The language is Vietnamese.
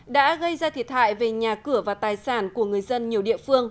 đã gây ra thiệt hại về nhà cửa và tài sản của người dân nhiều địa phương